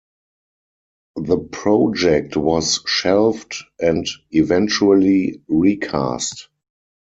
The project was shelved and eventually recast.